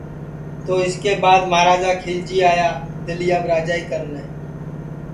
تو اُس کے بعد مہاراجا کھیلجی آیا دِلیاپ راجائی کرنے